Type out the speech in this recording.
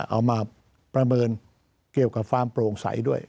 เอามาประเมินเกี่ยวกับความโปร่งใสด้วย